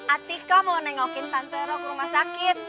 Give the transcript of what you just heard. atika mau nengokin santerok rumah sakit